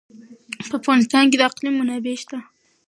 په افغانستان کې د اقلیم منابع شته.